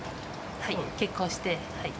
結婚して。